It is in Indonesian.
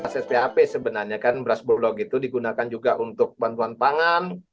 spap sebenarnya kan beras bulog itu digunakan juga untuk bantuan pangan